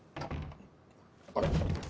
あれ？